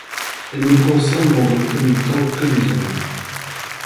Elle ne concerne dans un premier temps que les hommes.